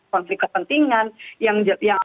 konflik kepentingan yang